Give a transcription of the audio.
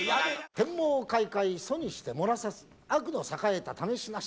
天網恢恢疎にして漏らさず、悪の栄えた試しなし。